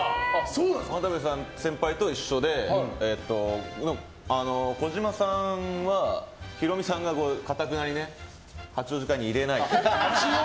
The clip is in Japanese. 渡部先輩と一緒で児嶋さんはヒロミさんがかたくなに八王子会に入れないって。